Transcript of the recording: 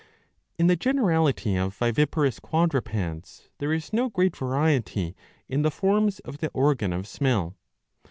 In the generality of viviparous quadrupeds, there is no great variety in the forms of the organ of smell.